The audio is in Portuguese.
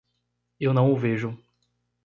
Eu não o vejo.